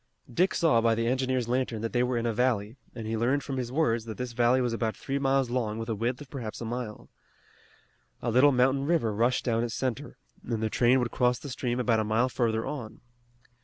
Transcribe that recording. Dick saw by the engineer's lantern that they were in a valley, and he learned from his words that this valley was about three miles long with a width of perhaps half a mile. A little mountain river rushed down its center, and the train would cross the stream about a mile further on.